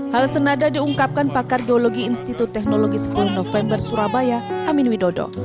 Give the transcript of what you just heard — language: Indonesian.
hal senada diungkapkan pakar geologi institut teknologi sepuluh november surabaya amin widodo